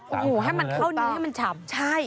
โอ้โฮให้มันเข้านิดหนึ่งให้มันชำใช่